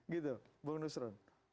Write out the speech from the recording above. gitu bung yusron